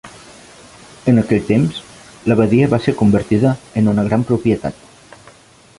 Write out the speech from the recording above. En aquell temps, l'abadia va ser convertida en una gran propietat.